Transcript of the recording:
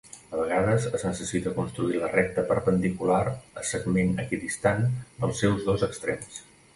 A vegades, es necessita construir la recta perpendicular a segment equidistant dels seus dos extrems.